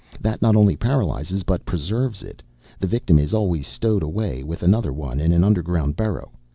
That not only paralyzes but preserves it. The victim is always stowed away with another one in an underground burrow.